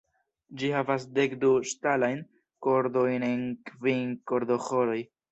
Ĝi havas dekdu ŝtalajn kordojn en kvin kordoĥoroj.